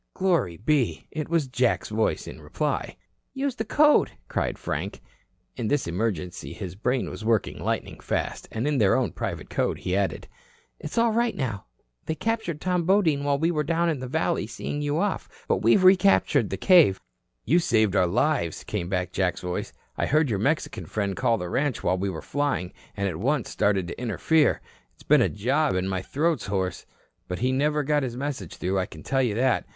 Glory be! It was Jack's voice in reply. "Use the code," cried Frank. In this emergency his brain was working lightning fast. And in their own private code he added: "It's all right now. They captured Tom Bodine while we were down in the valley seeing you off. But we've recaptured the cave." "You saved our lives," came back Jack's voice. "I heard your Mexican friend call the ranch while we were flying, and at once started to interfere. It's been a job and my throat's hoarse. But he never got his message through, I can tell you that.